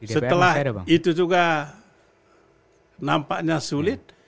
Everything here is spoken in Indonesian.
setelah itu juga nampaknya sulit